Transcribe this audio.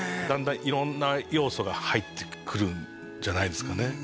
だんだん色んな要素が入ってくるんじゃないですかね